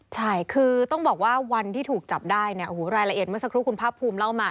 ใช่คือต้องบอกว่าวันที่ถูกจับได้เนี่ยโอ้โหรายละเอียดเมื่อสักครู่คุณภาคภูมิเล่ามา